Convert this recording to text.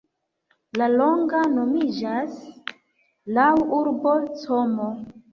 La lago nomiĝas laŭ urbo Como.